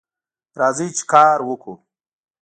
راځئ چې کار وکړو